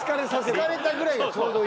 疲れたぐらいがちょうどいい。